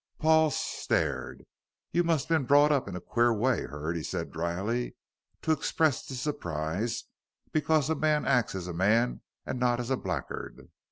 Paul stared. "You must have been brought up in a queer way, Hurd," he said drily, "to express this surprise because a man acts as a man and not as a blackguard."